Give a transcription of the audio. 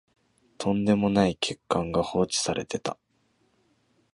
とんでもない欠陥が放置されてた